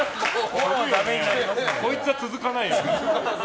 こいつは続かないよね。